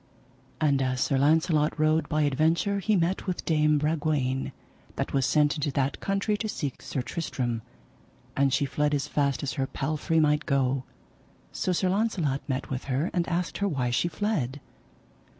And as Sir Launcelot rode by adventure he met with Dame Bragwaine that was sent into that country to seek Sir Tristram, and she fled as fast as her palfrey might go. So Sir Launcelot met with her and asked her why she fled.